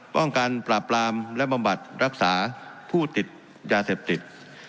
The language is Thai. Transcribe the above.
ป้องกันปราบปรามและบำบัดรักษาผู้ติดยาเสพติด